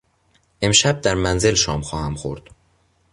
امشب در منزل شام خواهم خورد.